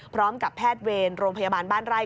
พร้อมกับแพทย์เวรโรงพยาบาลบ้านไร่